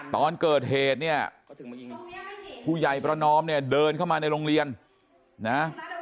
ตอนเกิดเหตุเนี่ยผู้ใหญ่ประนอมเนี่ยเดินเข้ามาในโรงเรียนนะ